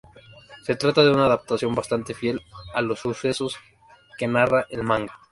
Se trata de una adaptación bastante fiel a los sucesos que narra el manga.